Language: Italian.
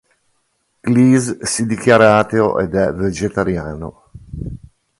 Cleese si dichiara ateo ed è vegetariano.